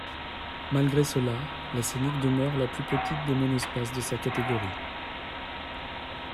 Malgré cela, la Scénic demeure la plus petite des monospaces de sa catégorie.